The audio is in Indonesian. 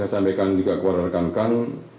saya sampaikan juga kepada rekan rekan